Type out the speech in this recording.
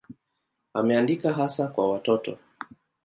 Ameandika hasa kwa watoto.